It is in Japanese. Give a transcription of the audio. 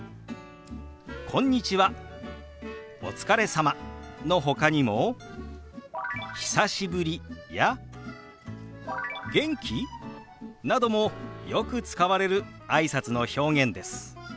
「こんにちは」「お疲れ様」のほかにも「久しぶり」や「元気？」などもよく使われるあいさつの表現です。